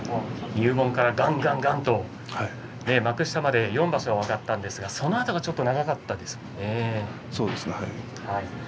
入門から、がんがんがんと幕下まで４場所で上がったんですがそのあとは長かったですね。